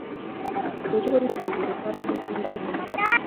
که پښتو ژبه وي نو زموږ کلتوري پانګه نه له منځه ځي.